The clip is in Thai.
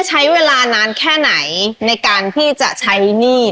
แค่เลย